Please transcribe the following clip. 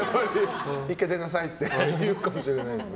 １回出なさいって言うかもしれないですね。